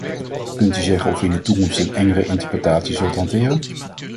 Kunt u zeggen of u in de toekomst een engere interpretatie zult hanteren?